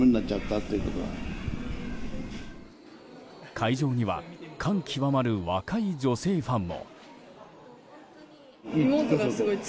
会場には感極まる若い女性ファンも。